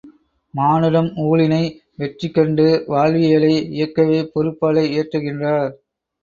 மானுடம் ஊழினை வெற்றிகண்டு வாழ்வியலை இயக்கவே பொருட்பாலை இயற்றுகின்றார்!